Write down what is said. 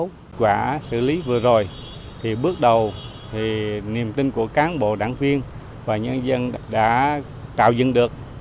kết quả xử lý vừa rồi thì bước đầu thì niềm tin của cán bộ đảng viên và nhân dân đã trào dừng được